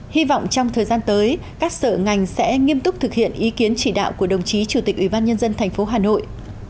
hy vọng trong thời gian tới các sở ngành sẽ nghiêm túc thực hiện ý kiến chỉ đạo của đồng chí chủ tịch ubnd tp hà nội